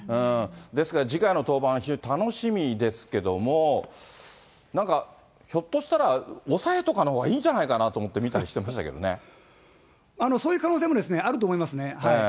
ですから次回の登板は非常に楽しみですけれども、なんか、ひょっとしたら抑えとかのほうがいいんじゃないかなと思って見たそういう可能性もですね、あると思いますね。